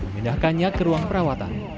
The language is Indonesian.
pindahkannya ke ruang perawatan